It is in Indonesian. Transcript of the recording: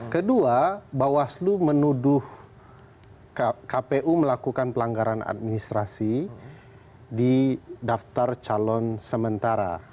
kedua bawaslu menuduh kpu melakukan pelanggaran administrasi di daftar calon sementara